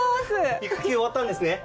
育休終わったんですね